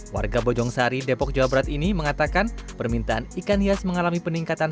warga bojong sari depok jawa barat ini mengatakan permintaan ikan hias mengalami peningkatan